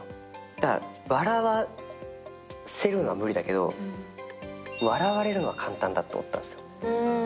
だから笑わせるのは無理だけど笑われるのは簡単だと思ったんですよ。